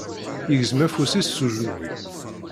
Yegzem afus-is s ujenwi.